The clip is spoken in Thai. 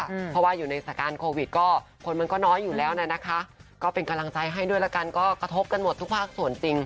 เพราะว่าอยู่ในสถานการณ์โควิดก็คนมันก็น้อยอยู่แล้วน่ะนะคะก็เป็นกำลังใจให้ด้วยละกันก็กระทบกันหมดทุกภาคส่วนจริง